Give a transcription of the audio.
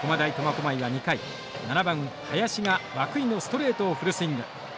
苫小牧は２回７番林が涌井のストレートをフルスイング。